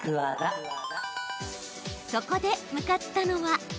そこで向かったのは。